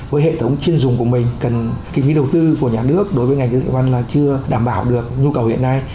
với hệ thống chuyên dùng của mình cần kinh phí đầu tư của nhà nước đối với ngành khí tượng thủy văn là chưa đảm bảo được nhu cầu hiện nay